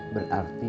mertua akhang itu